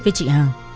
với chị hằng